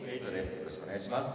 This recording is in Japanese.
よろしくお願いします。